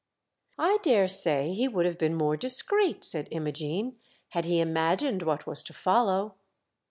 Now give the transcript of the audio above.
" I dare say he would have been more discreet," said Imogene, "had he imagined what was to follow."